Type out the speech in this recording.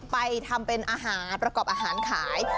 ไปทำเป็นอาหารประกอบอาหารขาย